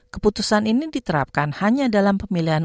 keputusan ini diterapkan hanya dalam pemilikan